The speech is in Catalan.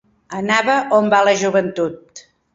Anava on va la joventut